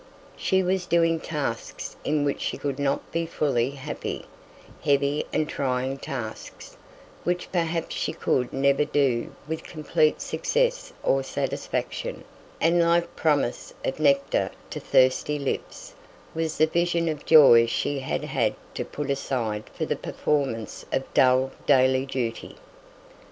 She was doing tasks in which she could not be fully happy, heavy and trying tasks, which perhaps she could never do with complete success or satisfaction; and like promise of nectar to thirsty lips was the vision of joys she had had to put aside for the performance of dull daily duty.